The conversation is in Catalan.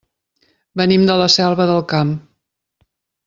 Venim de la Selva del Camp.